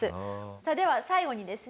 さあでは最後にですね